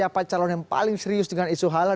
siapa calon yang paling serius dengan isu halal